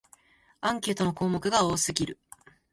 アンケートの項目が多すぎる